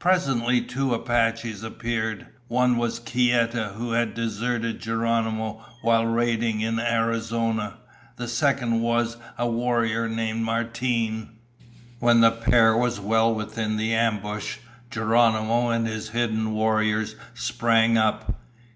Presently two Apaches appeared. One was Kieta, who had deserted Geronimo while raiding in Arizona. The second was a warrior named Martine. When the pair was well within the ambush, Geronimo and his hidden warriors sprang up.